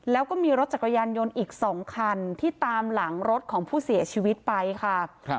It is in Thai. แล้วก็มีรถจักรยานยนต์อีก๒คันที่ตามหลังรถของผู้เสียชีวิตไปค่ะ